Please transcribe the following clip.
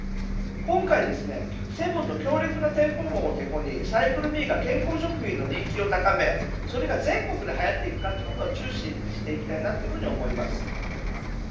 今回、セブンの強力な店舗網をてこにサイクルミーが健康食品の人気を高めそれが全国ではやっていくのは注意していきたいと思います。